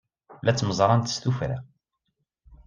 La ttmeẓrant s tuffra.